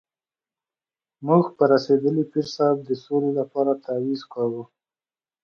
موږ په رسېدلي پیر صاحب د سولې لپاره تعویض کاږو.